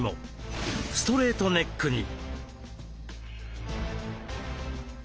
ストレートネックに。